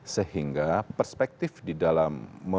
sehingga perspektif di dalam